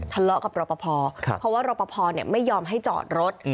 ทะเลาะกับรอปภเพราะว่ารอปภไม่ยอมให้จอดรถ